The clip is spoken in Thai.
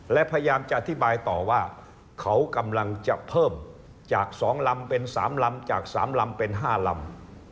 และพยายามจะอธิบายต่อว่าเขากำลังจะเพิ่มจาก๒ลำเป็น๓ลำจาก๓ลำเป็น๕ลำ